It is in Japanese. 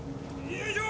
よいしょ！